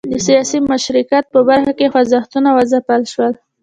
د سیاسي مشارکت په برخه کې خوځښتونه وځپل شول.